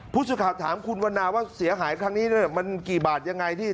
ผู้สื่อข่าวถามคุณวันนาว่าเสียหายครั้งนี้มันกี่บาทยังไงที่